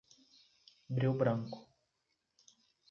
Breu Branco